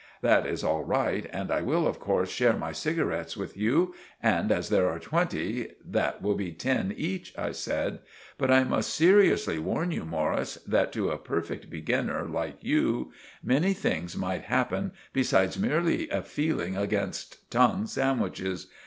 "That is all right and I will of corse share my cigarets with you, and as there are twenty, that will be ten each," I said; "but I must seeriously warn you, Morris, that to a perfect beginer, like you, many things might happen besides merely a fealing against tongue sandwiches.